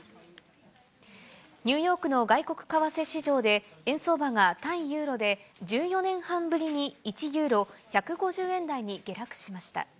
ニューヨークの外国為替市場で、円相場が対ユーロで１４年半ぶりに１ユーロ１５０円台に下落しました。